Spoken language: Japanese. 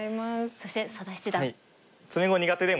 そして佐田七段。